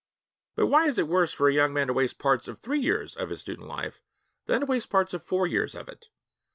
But why is it worse for a young man to waste parts of three years of his student life than to waste parts of four years of it?